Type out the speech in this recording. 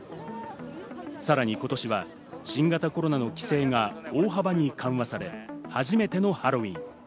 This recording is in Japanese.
さらに今年は新型コロナの規制が大幅に緩和され、初めてのハロウィーン。